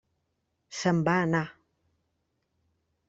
Se'n va anar.